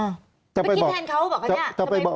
ไม่คิดแทนเขาบอกว่าเนี่ย